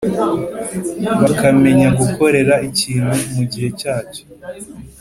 bakamenya gukorera ikintu mu gihe cyacyo.